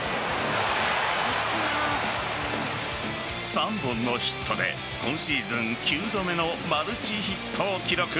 ３本のヒットで今シーズン９度目のマルチヒットを記録。